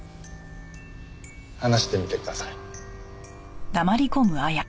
話してみてください。